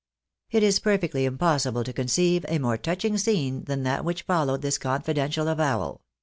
" It is perfectly impossible to conceive a more touching scene than that which followed this confidential avowal.